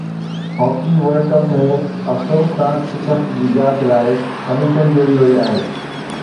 hockey world cup ۾ افسوسناڪ شڪست جي جاچ لاءِ ڪميشن جوڙي وئي آهي